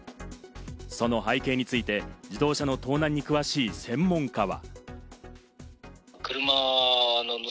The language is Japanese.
その背景について、自動車の盗難に詳しい専門家は。